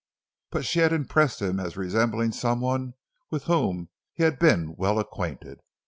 But she had impressed him as resembling someone with whom he had been well acquainted.